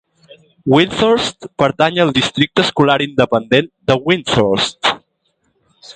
Windthorst pertany al districte escolar independent de Windthorst.